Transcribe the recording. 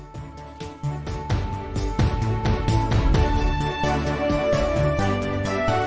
สวัสดีครับ